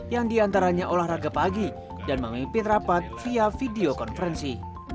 yang diantaranya olahraga pagi dan memimpin rapat via video konferensi